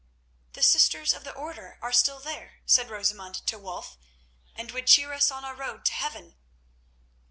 "The sisters of the Order are still there," said Rosamund to Wulf, "and would cheer us on our road to heaven."